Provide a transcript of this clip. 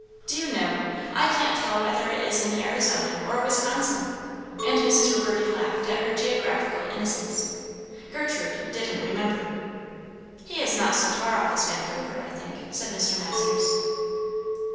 Do you know, I can't tell whether it is in Arizona or Wisconsin!" And Mrs. Reverdy laughed at her geographical innocence. Gertrude "didn't remember." "He is not so far off as Vancouver, I think," said Mr. Masters.